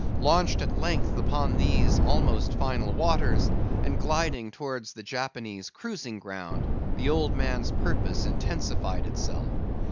Launched at length upon these almost final waters, and gliding towards the Japanese cruising ground, the old man's purpose intensified itself.